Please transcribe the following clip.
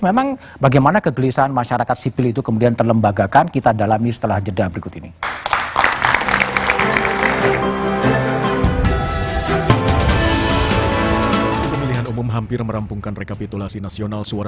memang bagaimana kegelisahan masyarakat sipil itu kemudian terlembagakan kita dalami setelah jeda berikut ini